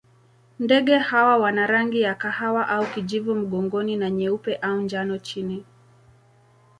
Ndege hawa wana rangi ya kahawa au kijivu mgongoni na nyeupe au njano chini.